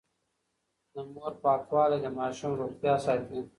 د مور پاکوالی د ماشوم روغتيا ساتي.